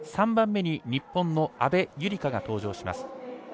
３番目に日本の阿部友里香が登場します。